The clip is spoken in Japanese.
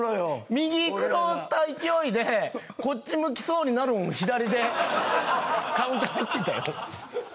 右くろうた勢いでこっち向きそうになるんを左でカウンター入ってたよ